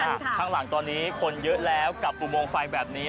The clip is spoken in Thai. ข้างหลังตอนนี้คนเยอะแล้วกับอุโมงไฟแบบนี้